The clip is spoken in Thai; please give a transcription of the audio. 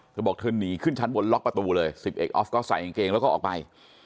เธอบอกเธอหนีขึ้นชั้นบนล็อกประตูเลย๑๑ออฟก็ใส่กางเกงแล้วก็ออกไป